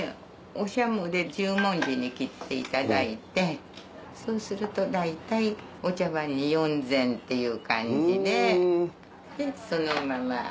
おしゃもで十文字に切っていただいてそうすると大体お茶わんに４膳っていう感じで。でそのまま。